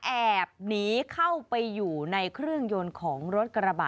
แอบหนีเข้าไปอยู่ในเครื่องยนต์ของรถกระบะ